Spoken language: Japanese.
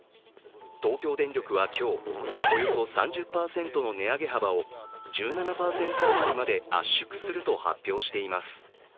東京電力は今日、およそ３０％の値上げ幅を１７％余りまで圧縮すると発表しています。